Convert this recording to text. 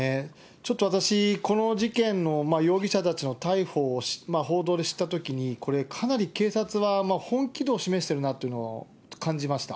ちょっと私、この事件の容疑者たちの逮捕を報道で知ったときに、これ、かなり警察は本気度を示しているなというのを感じました。